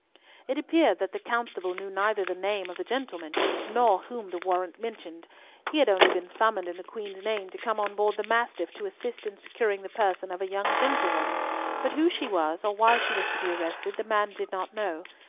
It appeared that the constable knew neither the name of the gentleman nor whom the warrant mentioned. He had only been summoned in the Queen's name to come on board the Mastiff to assist in securing the person of a young gentlewoman, but who she was, or why she was to be arrested, the man did not know.